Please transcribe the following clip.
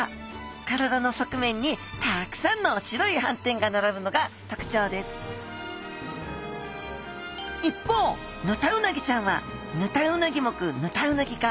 体の側面にたくさんの白いはんてんがならぶのがとくちょうです一方ヌタウナギちゃんはヌタウナギ目ヌタウナギ科。